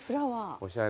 おしゃれ。